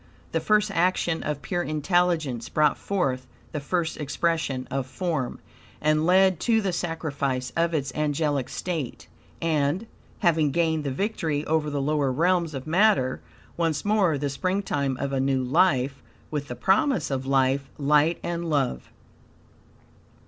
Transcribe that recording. The first action of pure intelligence brought forth the first expression of form, and led to the sacrifice of its angelic state, and, having gained the victory over the lower realms of matter, once more the springtime of a new life, with the promise of life, light and love.